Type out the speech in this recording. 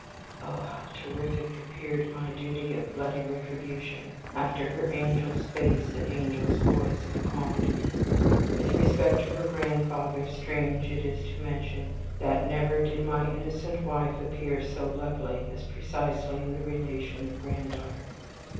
Ah! how terrific appeared my duty of bloody retribution, after her angel's face and angel's voice had calmed me. With respect to her grandfather, strange it is to mention, that never did my innocent wife appear so lovely as precisely in the relation of granddaughter.